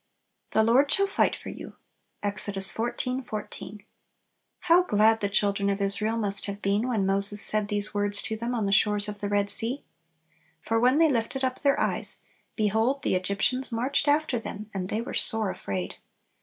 "The Lord shall fight for you." Ex. xiv. 14. How glad the children of Israel must have been when Moses said these words to them on the shores of the Red Sea! For when they "lifted up their eyes, behold, the Egyptians marched after them; and they were sore afraid."